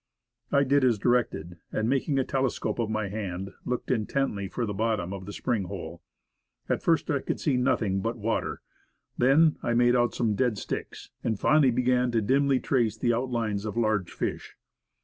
I did as directed, and, making a telescope of my hand, looked intently for the bottom of the spring hole. At first I could see nothing but water; then I made out some dead sticks, and finally began to dimly trace the outlines of large fish.